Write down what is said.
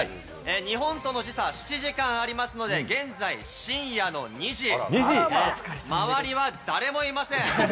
日本との時差７時間ありますので、現在深夜２時、周りは誰もいません。